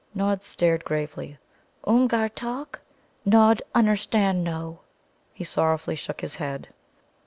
Nod stared gravely. "Oomgar talk; Nod unnerstand no." He sorrowfully shook his head.